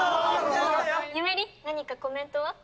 ゆめ莉何かコメントは？